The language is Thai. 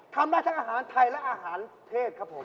ทำได้ทั้งอาหารไทยและอาหารเทศครับผม